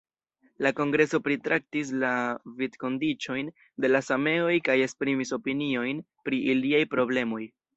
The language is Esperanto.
La kongreso pritraktis la vivkondiĉojn de la sameoj kaj esprimis opiniojn pri iliaj problemoj.